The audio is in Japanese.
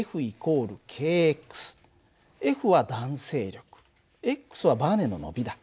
Ｆは弾性力はばねの伸びだ。